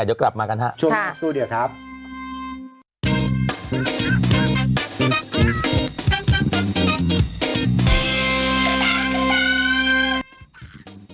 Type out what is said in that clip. แต่เดี๋ยวกลับมากันครับชั่วโมงสุดีครับค่ะ